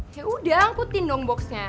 ya udah angkutin dong boxnya